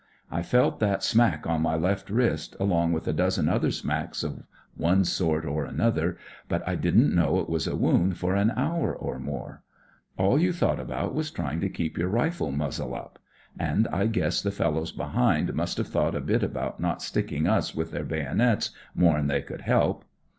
I felt that smack on my left wrist, alo^g with a dozen other smacks of one sort and another, but I didn't know it waf a woimd for an hour or more. All WHAT IT'S LIKE IN THE PUSH 18 you thought about was trying to keep your rifle muzzle up ; and I guess the fellows behind must 've thought a bit about not stickin* us with their bayonets more'n they could help.